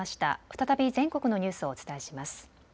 再び全国のニュースをお伝えします。